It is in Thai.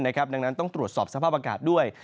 ดังนั้นต้องตรวจสอบสภาพอากาศด้วย